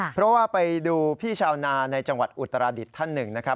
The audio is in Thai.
เพราะว่าไปดูพี่ชาวนาในจังหวัดอุตราดิษฐ์ท่านหนึ่งนะครับ